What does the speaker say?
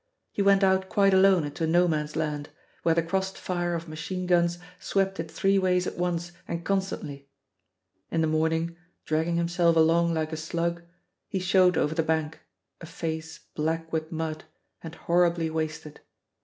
He went out quite alone into No Man's Land, where the crossed fire of machine guns swept it three ways at once and constantly. In the morning, dragging himself along like a slug, he showed over the bank a face black with mud and horribly wasted.